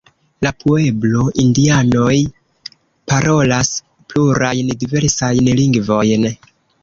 La pueblo-indianoj parolas plurajn diversajn lingvojn.